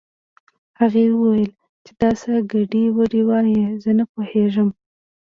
هغې وويل چې دا څه ګډې وډې وايې زه نه پوهېږم